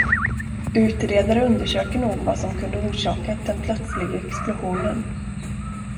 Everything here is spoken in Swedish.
Utredare undersöker nog vad som kunde ha orsakat den plötsliga explosionen.